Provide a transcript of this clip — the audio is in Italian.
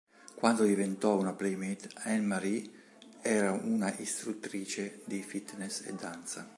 Quando diventò una playmate, Anne-Marie era una istruttrice di fitness e danza.